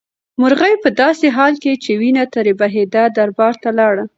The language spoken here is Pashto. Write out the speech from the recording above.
مرغۍ په داسې حال کې چې وینه ترې بهېده دربار ته لاړه.